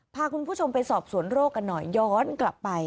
พาคุณผู้ชมไปสอบสวนโรคกันหน่อยย้อนกลับไป